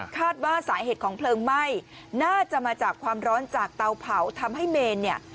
คาดว่าสาเหตุของเพลิงไหม้น่าจะมาจากความร้อนจากเตาเผาทำให้เมนเนี่ย